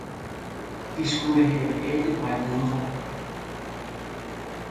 »De skulde have avet mig bedre!